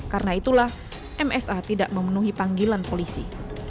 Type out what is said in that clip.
karena itulah msa tidak memenuhi panggilan polisi